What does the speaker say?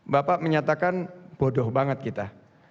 bapak menyatakan bodoh banget kita